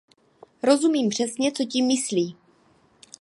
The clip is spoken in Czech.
Nerozumím přesně, co tím myslí.